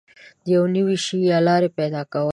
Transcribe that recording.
د یو نوي شي یا لارې پیدا کول